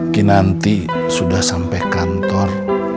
kinanti sudah sampai kantor